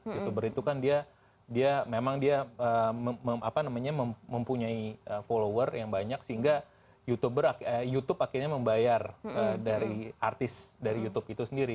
youtuber itu kan dia memang dia mempunyai follower yang banyak sehingga youtube akhirnya membayar dari artis dari youtube itu sendiri